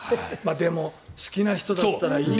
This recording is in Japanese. でも、好きな人だったら。